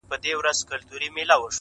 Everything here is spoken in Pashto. نه په مسجد، په درمسال، په کليسا کي نسته,